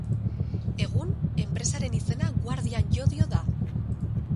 Egun enpresaren izena Guardian Llodio da.